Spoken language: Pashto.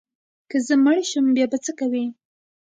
که زه مړ شم بیا به څه کوې؟